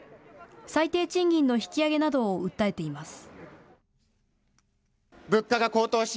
最低賃金の引き上げなどを訴えています。